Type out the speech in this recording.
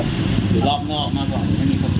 เมื่อก็จะมีจังหวะเวยดิทลิฟต์ก็ต่อมา